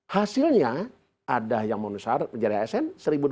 hasilnya ada yang menuhi syarat menjadi asn satu dua ratus tujuh puluh empat